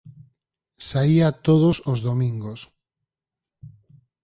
Saía todos os domingos.